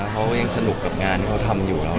เขายังสนุกกับงานที่เขาทำอยู่แล้ว